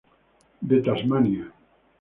De Tasmania.